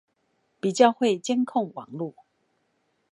比較會監控網路